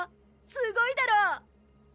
すごいだろ！